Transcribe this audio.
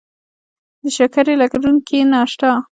د شکرې لرونکي ناشتې